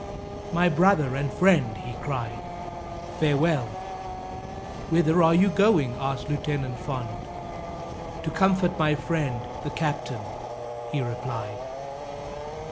"My brother and friend," he cried, "farewell." "Whither are you going?" asked Lieutenant Fond. "To comfort my friend, the captain," he replied.